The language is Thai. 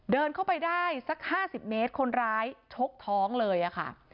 เดินเข้าไปได้สัก๕๐เมตรคนร้ายชกท้องเลยค่ะ